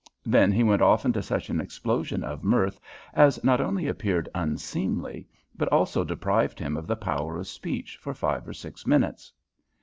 Then he went off into such an explosion of mirth as not only appeared unseemly, but also deprived him of the power of speech for five or six minutes.